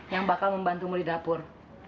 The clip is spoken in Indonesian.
yang bakal membantumu di dapur